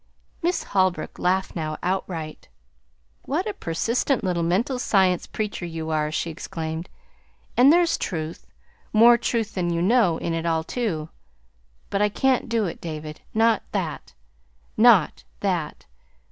Miss Holbrook laughed now outright. "What a persistent little mental science preacher you are!" she exclaimed. "And there's truth more truth than you know in it all, too. But I can't do it, David, not that not that.